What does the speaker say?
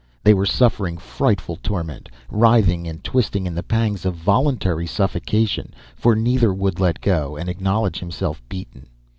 They were suffering frightful torment, writhing and twisting in the pangs of voluntary suffocation; for neither would let go and acknowledge himself beaten.